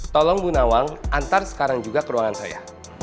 tolong bu nawang antar sekarang juga ke ruangan saya